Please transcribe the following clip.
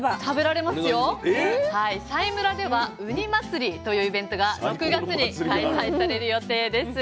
佐井村ではうに祭りというイベントが６月に開催される予定です。